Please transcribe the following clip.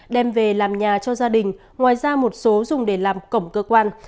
đem về làm nhà cho gia đình ngoài ra một số dùng để làm cổng cơ quan